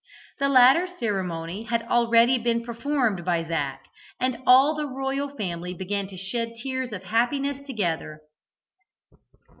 The latter ceremony had already been performed by Zac, and all the royal family began to shed tears of happiness together.